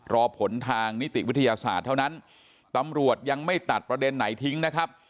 รอผลทางนิติวิทยาศาสตร์เท่านั้นตำรวจยังไม่ตัดประเด็นไหนทิ้งนะครับ